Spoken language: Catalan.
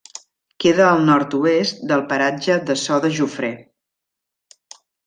Queda al nord-oest del paratge de Ço de Jofré.